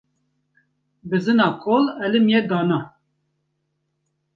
Bizina kol elimiye dana